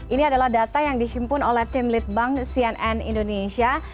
ini adalah data yang dihimpun oleh tim litbang cnn indonesia